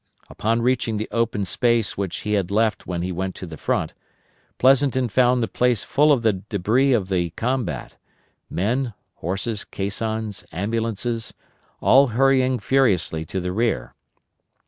Upon reaching the open space which he had left when he went to the front, Pleasonton found the place full of the debris of the combat men, horses, caissons, ambulances all hurrying furiously to the rear.